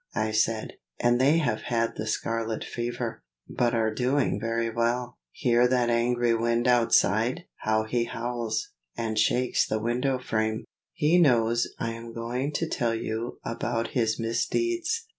I said, "and they have had the scarlet fever, but are doing very well. Hear that angry Wind outside! how he howls, and shakes the window frame. He knows that I am going to tell you about his misdeeds.